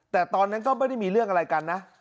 แต่ตอนนั้นก็ไม่ได้มีเรื่องอะไรกันนะ